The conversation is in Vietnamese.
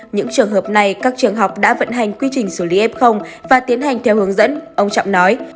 những trường hợp này các trường học đã vận hành quy trình xử lý f và tiến hành theo hướng dẫn ông trọng nói